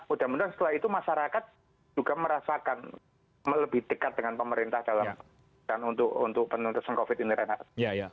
udah mudah setelah itu masyarakat juga merasakan lebih dekat dengan pemerintah dalam penutup covid ini renat